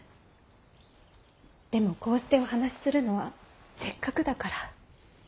でもこうしてお話しするのはせっかくだから。